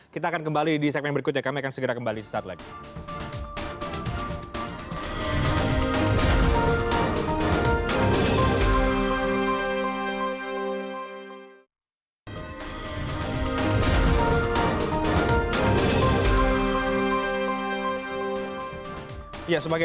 kita akan kembali di segmen berikutnya kami akan segera kembali sesaat lagi